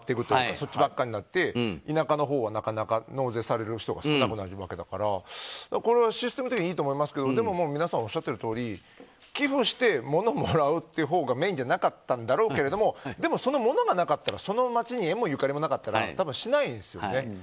そっちばっかりになって田舎のほうはなかなか納税される人が少なくなるわけだからシステム的にいいと思いますけどでも皆さんおっしゃっている通り寄付して物をもらうことがメインじゃなかったんだろうけどでも、その物がなかったらその町に縁もゆかりもなかったらしないですよね。